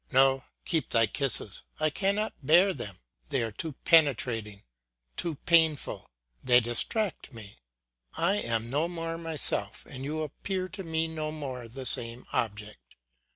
ŌĆö No, keep thy kisses, I cannot bear them ŌĆö They are too penetrating, too painful ŌĆö they distract me. I am no more myself, and you appear to me no more the same object.